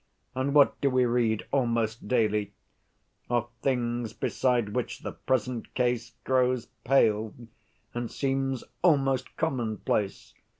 And what do we read almost daily? Of things beside which the present case grows pale, and seems almost commonplace.